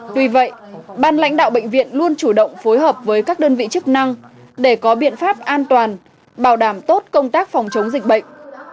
tuy vậy ban lãnh đạo bệnh viện luôn chủ động phối hợp với các đơn vị chức năng để có biện pháp an toàn bảo đảm tốt công tác phòng chống dịch bệnh